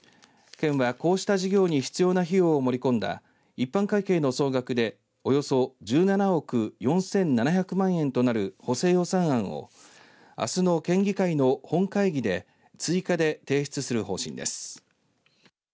県は、こうした事業に必要な費用を盛り込んだ一般会計の総額でおよそ１７億４７００万円となる補正予算案をあすの県議会の本会議で追加で提出する方針です。